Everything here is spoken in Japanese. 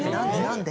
何で？